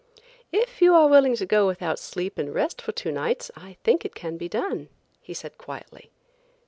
"If you are willing to go without sleep and rest for two nights, I think it can be done," he said quietly.